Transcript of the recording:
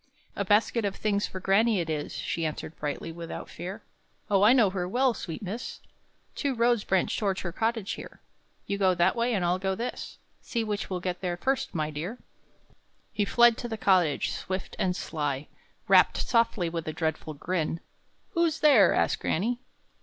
"A basket of things for granny, it is," She answered brightly, without fear. "Oh, I know her very well, sweet miss! Two roads branch towards her cottage here; You go that way, and I'll go this. See which will get there first, my dear!" He fled to the cottage, swift and sly; Rapped softly, with a dreadful grin. "Who's there?" asked granny.